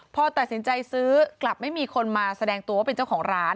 พอตัดสินใจซื้อกลับไม่มีคนมาแสดงตัวว่าเป็นเจ้าของร้าน